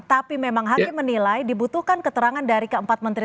tapi memang hakim menilai dibutuhkan keterangan dari keempat menteri